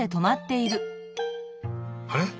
あれ？